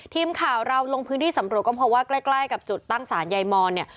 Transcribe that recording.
ทีมข่าวเราลงพื้นที่สำรวจก็เพราะว่าใกล้กับจุดตั้งศาลยายมอนเนี่ย